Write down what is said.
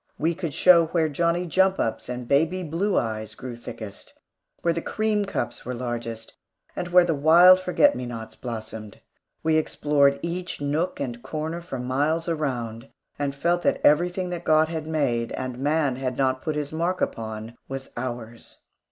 We could show where Johnnie jump ups and baby blue eyes grew thickest; where the cream cups were largest; and where the wild forget me nots blossomed. We explored each nook and corner for miles around, and felt that everything that God had made and man had not put his mark upon was ours.